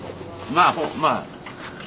まあまあ。